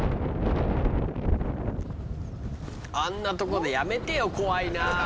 あんなとこでやめてよ怖いな。